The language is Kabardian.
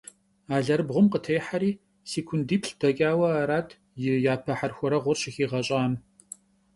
Alerıbğum khıtêheri, sêkundiplh' deç'aue arat yi yape herxuereğur şıxiğeş'am.